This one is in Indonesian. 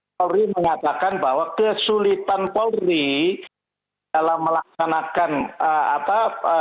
polri mengatakan bahwa kesulitan polri dalam melaksanakan apa